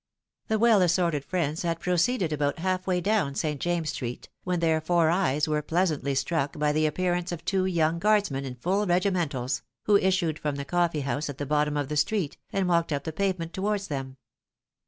The well assorted friends had proceeded about halfway down St. James's street, when their four eyes were pleasantly struck by the appearance of two young guardsmen in full regimentals, who issued from the coffee house at the bottom of the street, and walked up the pavement towards them.